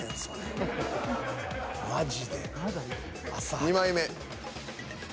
２枚目。